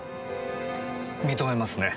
認めますね？